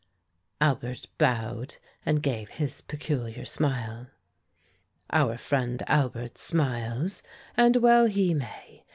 Albert bowed and gave his peculiar smile. "Our friend Albert smiles, and well he may.